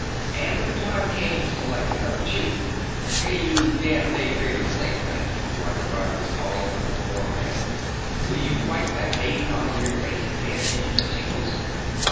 And when the time came to select another chief.... "Hey, you damned day dreaming singleton!" Roy the Runner was calling from the burrow ahead. "Will you wipe that haze out of your face and pay attention to signals?